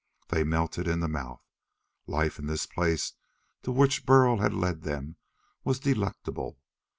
They melted in the mouth; Life in this place to which Burl had led them was delectable!